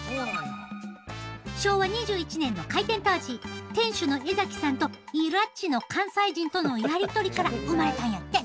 昭和２１年の開店当時店主の江崎さんといらちの関西人とのやり取りから生まれたんやって。